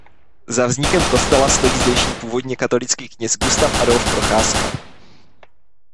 Za vznikem kostela stojí zdejší původně katolický kněz Gustav Adolf Procházka.